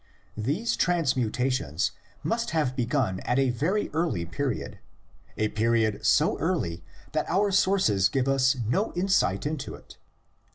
These transmutations must have begun at a very early period, a period so early that our 118 THE LEGENDS OF GENESIS. sources give us no insight into it.